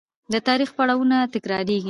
د تاریخ پړاوونه تکرارېږي.